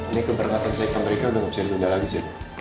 ini keberangkatan seikan mereka sudah tidak bisa ditunda lagi sih